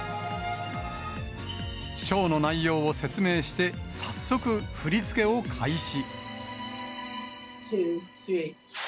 ショーの内容を説明して、早速振り付けを開始。